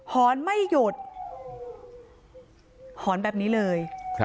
หอนไม่หยุดหอนแบบนี้เลย